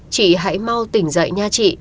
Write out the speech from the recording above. chị hãy mau tỉnh dậy nha chị